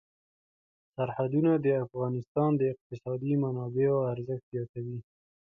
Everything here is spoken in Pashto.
سرحدونه د افغانستان د اقتصادي منابعو ارزښت زیاتوي.